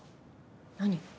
何？